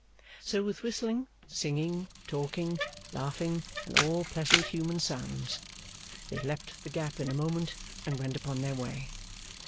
So with whistling, singing, talking, laughing, and all pleasant human sounds. They leaped the gap in a moment, and went upon their way.